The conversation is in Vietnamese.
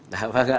dạ vâng ạ